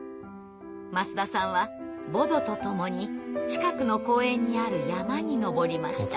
舛田さんはボドと共に近くの公園にある山に登りました。